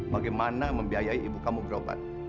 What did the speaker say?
bagaimana membiayai ibu kamu berobat